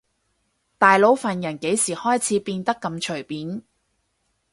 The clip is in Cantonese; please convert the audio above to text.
大佬份人幾時開始變得咁隨便